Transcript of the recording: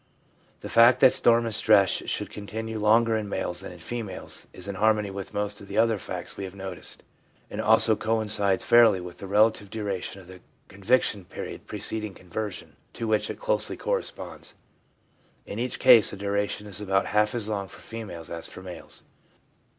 The fact that storm and stress should continue longer in males than in females is in harmony with most of the other facts we have noticed, and also coincides fairly with the relative duration of the conviction period preceding conversion, to which it closely corresponds. In each case the duration is about half as long for females as for males.